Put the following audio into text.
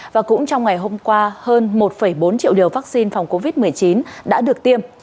và cũng trong ngày hôm qua hơn một bốn triệu liều vaccine phòng covid một mươi chín đã được tiêm